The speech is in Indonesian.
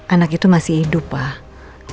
anak itu masih hidup pak